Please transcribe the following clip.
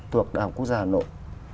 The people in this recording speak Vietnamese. tuộc đại học quốc gia hà nội